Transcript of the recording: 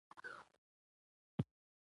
په الوتکه کې چې کېناستم.